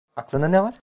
Aklında ne var?